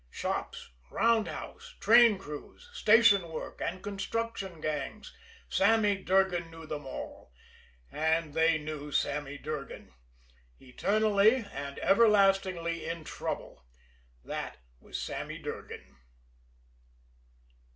Shops, roundhouse, train crews, station work and construction gangs, Sammy Durgan knew them all; and they knew Sammy Durgan. Eternally and everlastingly in trouble that was Sammy Durgan.